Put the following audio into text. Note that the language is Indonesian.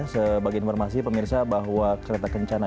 sebagai informasi pemirsa bahwa kereta kencana